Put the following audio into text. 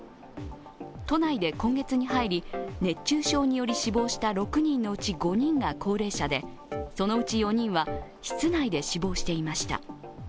都内で今月に入り熱中症により死亡した６人のうち５人が高齢者でそのうち４人は室内で死亡していました。